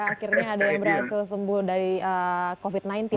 akhirnya ada yang berhasil sembuh dari covid sembilan belas